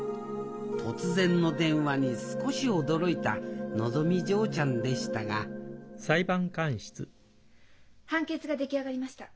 突然の電話に少し驚いたのぞみ嬢ちゃんでしたが判決が出来上がりました。